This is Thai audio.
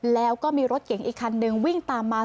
แล้วก็มีรถเก๋งอีกคันนึงวิ่งตามมา